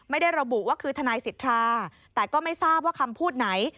ไม่ได้ระบุว่าคือทนายสิทธาแต่ก็ไม่ทราบว่าคำพูดไหน